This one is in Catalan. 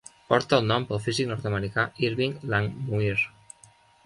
Porta el nom pel físic nord-americà Irving Langmuir.